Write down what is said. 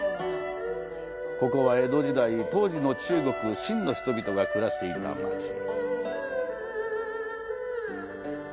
ここは、江戸時代、当時の中国、清の人々が暮らしていた町。